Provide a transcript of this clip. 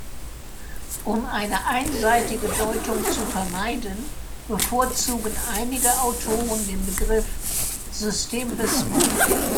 Um eine einseitige Deutung zu vermeiden, bevorzugen einige Autoren den Begriff „System Bismarck“.